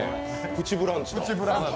「プチブランチ」だ。